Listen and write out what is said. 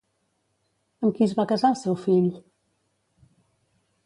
Amb qui es va casar el seu fill?